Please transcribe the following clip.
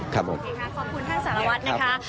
ครับผมขอบคุณท่านสารวัฒน์นะฮะ